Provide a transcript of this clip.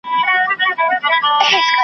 چي د ریا پر منبرونو دي غوغا ووینم .